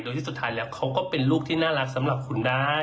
โดยที่สุดท้ายแล้วเขาก็เป็นลูกที่น่ารักสำหรับคุณได้